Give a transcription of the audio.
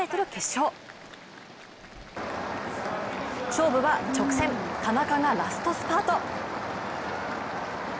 勝負は直線田中がラストスパート。